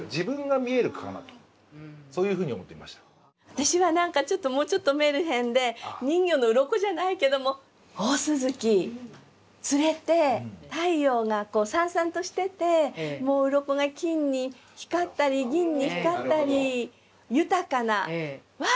私は何かもうちょっとメルヘンで人魚の鱗じゃないけども大鱸釣れて太陽がさんさんとしててもう鱗が金に光ったり銀に光ったり豊かなわ！